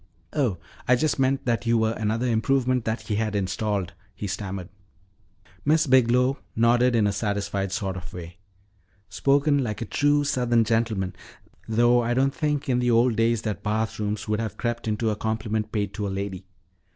"Oh, I just meant that you were another improvement that he had installed," he stammered. Miss Biglow nodded in a satisfied sort of way. "Spoken like a true southern gentleman, though I don't think in the old days that bathrooms would have crept into a compliment paid to a lady.